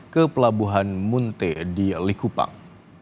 ke pelabuhan munte di likupang